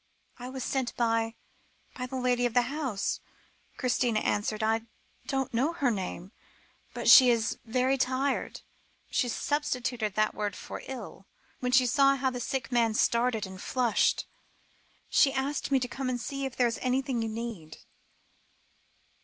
"I was sent by by the lady of the house," Christina answered. "I don't know her name, but she is very tired." She substituted that word for "ill," when she saw how the sick man started and flushed. "She asked me to come and see if there is anything you need."